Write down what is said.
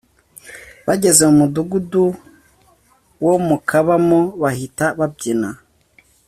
bageze mu mudugudu wo kubamo bahita babyina